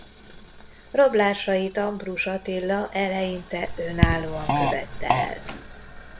Rablásait Ambrus Attila eleinte önállóan követte el.